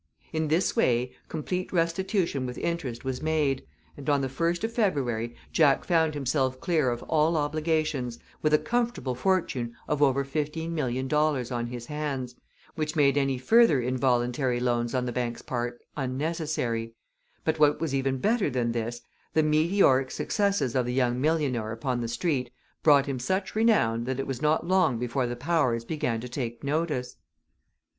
In this way complete restitution with interest was made, and on the first of February Jack found himself clear of all obligations, with a comfortable fortune of over $15,000,000 on his hands, which made any further involuntary loans on the bank's part unnecessary; but what was even better than this, the meteoric successes of the young millionaire upon the Street brought him such renown that it was not long before the powers began to take notice.